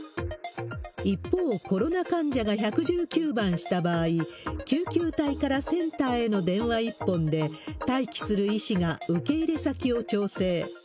一方、コロナ患者が１１９番した場合、救急隊からセンターへの電話一本で、待機する医師が受け入れ先を調整。